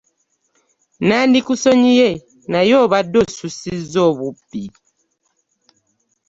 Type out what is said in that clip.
Nandikusonyiye naye obadde osussizza obubbi.